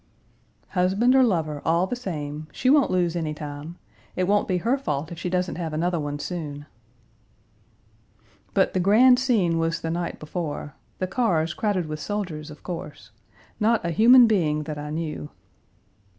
"Husband or lover, all the same. She won't lose any time. It won't be her fault if she doesn't have another one soon." But the grand scene was the night before: the cars crowded with soldiers, of course; not a human being that I knew.